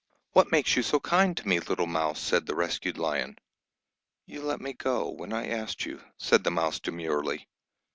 "What makes you so kind to me, little Mouse?" said the rescued lion. "You let me go, when I asked you," said the mouse demurely.